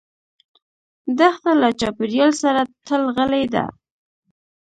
دښته له چاپېریال سره تل غلي ده.